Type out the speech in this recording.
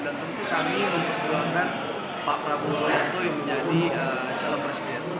dan tentu kami memperjuangkan pak prabowo subianto yang menjadi calon presiden